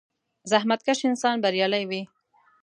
• زحمتکش انسان بریالی وي.